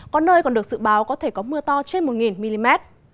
có nơi còn được dự báo có thể có mưa to trên một mm